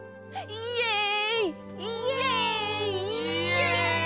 イエイ！